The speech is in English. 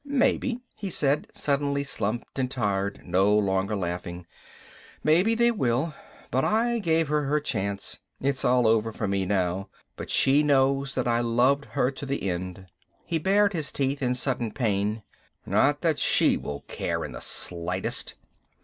"Maybe," he said, suddenly slumped and tired, no longer laughing. "Maybe they will. But I gave her her chance. It is all over for me now, but she knows that I loved her to the end." He bared his teeth in sudden pain. "Not that she will care in the slightest."